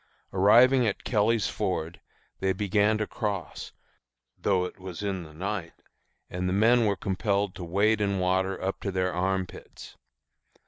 Arriving at Kelly's Ford, they began to cross, though it was in the night, and the men were compelled to wade in water up to their armpits.